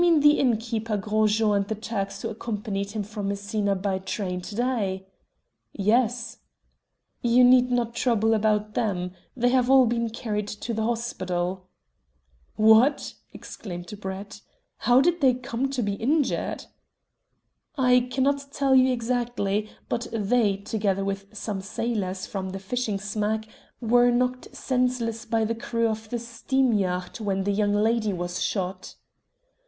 "Do you mean the innkeeper Gros Jean and the Turks who accompanied him from Messina by train to day?" "Yes." "You need not trouble about them. They have all been carried to the hospital." "What!" exclaimed Brett. "How did they come to be injured?" "I cannot tell you exactly, but they, together with some sailors from the fishing smack, were knocked senseless by the crew of the steam yacht when the young lady was shot."